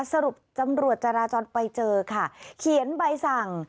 สรุปตำรวจจราจรไปเจอค่ะเขียนใบสั่ง